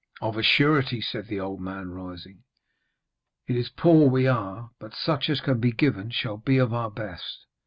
'Of a surety,' said the old man, rising. 'It is poor we are, but such as can be given shall be of our best.'